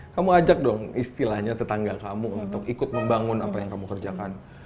kamu ajak dong istilahnya tetangga kamu untuk ikut membangun apa yang kamu kerjakan